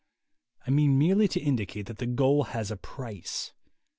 I mean merely to indicate that the goal has a price.